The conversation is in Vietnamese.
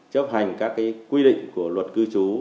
chấp hành các cái quy định của luật cư chú